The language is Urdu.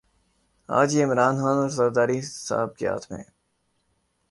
آج یہ عمران خان اور زرداری صاحب کے ہاتھ میں ہے۔